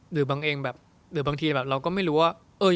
หรือบางทีเราก็ไม่รู้ว่า